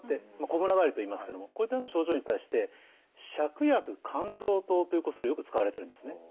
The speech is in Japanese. こむら返りといいますけどもこういったような症状に対して芍薬甘草湯というお薬よく使われてるんですね。